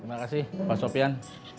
terima kasih pak sopian